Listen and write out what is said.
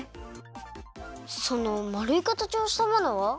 そのまるいかたちをしたものは？